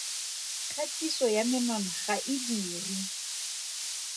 Kgatiso ya menwana ga e dirwe.